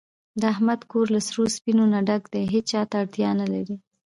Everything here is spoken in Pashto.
د احمد کور له سرو سپینو نه ډک دی، هېچاته اړتیا نه لري.